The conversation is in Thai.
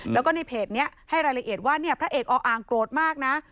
แล้วก็ในเพจนี้ให้รายละเอียดว่าเนี่ยพระเอกออ่างโกรธมากนะ